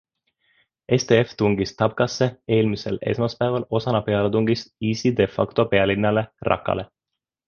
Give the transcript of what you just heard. SDF tungis Tabqasse eelmisel esmaspäeval osana pealetungist IS-i de facto pealinnale Raqqale.